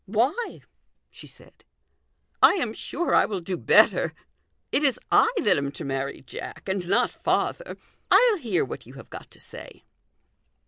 "Why?" she said. "I am sure I will do better. It is I that am to marry Jack, and not father. I'll hear what you have got to say."